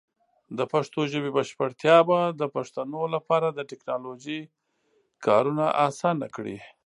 د پښتو ژبې بشپړتیا به د پښتنو لپاره د ټیکنالوجۍ کارونه اسان کړي.